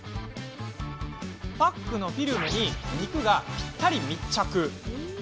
パックのフィルムに肉がぴったり密着。